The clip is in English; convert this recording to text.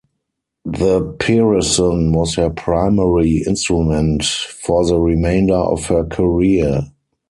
The Peresson was her primary instrument for the remainder of her career.